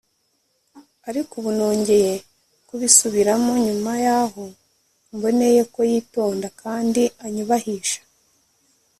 ariko ubu nongeye kubisubiramo nyuma yaho mboneye ko yitonda kandi anyubahisha